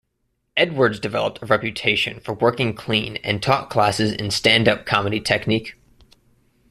Edwards developed a reputation for working clean and taught classes in stand-up comedy technique.